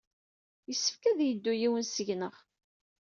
Yessefk ad yeddu yiwen seg-neɣ.